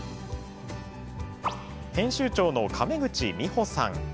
編集長の亀口美穂さん。